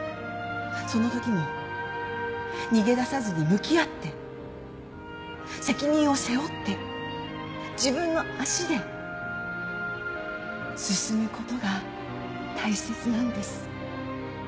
そのときも逃げ出さずに向き合って責任を背負って自分の足で進むことが大切なんです。